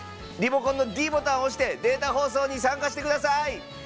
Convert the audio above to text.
リモコンのｄボタンを押してデータ放送に参加してください。